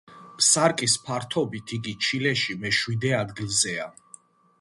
სარკის ფართობით იგი ჩილეში მეშვიდე ადგილზეა.